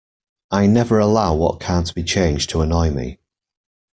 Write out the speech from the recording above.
I never allow what can't be changed to annoy me.